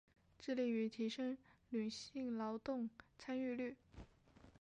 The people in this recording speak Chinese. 致力於提升女性劳动参与率